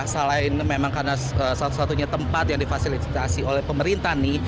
selain memang karena satu satunya tempat yang difasilitasi oleh pemerintah nih